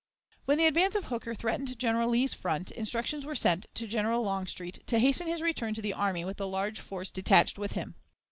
When the advance of Hooker threatened General Lee's front, instructions were sent to General Longstreet to hasten his return to the army with the large force detached with him.